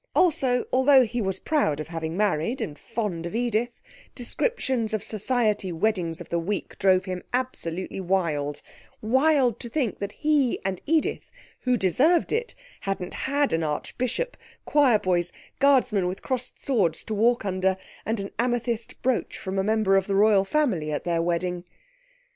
Also, although he was proud of having married, and fond of Edith, descriptions of 'Society Weddings of the Week' drove him absolutely wild wild to think that he and Edith, who deserved it, hadn't had an Archbishop, choirboys, guardsmen with crossed swords to walk under, and an amethyst brooch from a member of the Royal Family at their wedding.